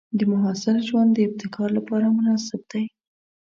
د محصل ژوند د ابتکار لپاره مناسب دی.